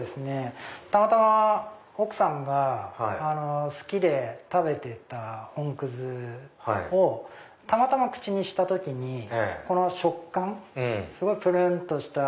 たまたま奥さんが好きで食べてた本くずをたまたま口にした時にすごいぷるん！とした